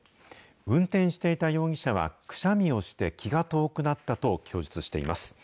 運転していた容疑者は、くしゃみをして気が遠くなったと供述しています。